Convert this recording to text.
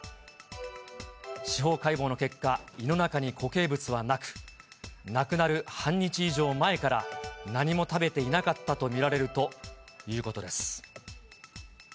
司法解剖の結果、胃の中に固形物はなく、亡くなる半日以上前から、何も食べていなかったと見られるということです。